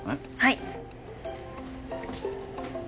はい。